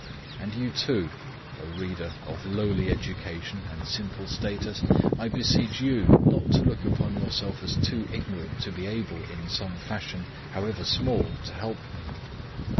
And you too, O reader of lowly education and simple status, I beseech you not to look upon yourself as too ignorant to be able in some fashion, however small, to help me.